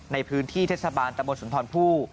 ในพื้นที่เทศบาลตะบนสุนทรผู้